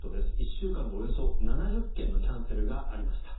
１週間でおよそ７０件のキャンセルがありました。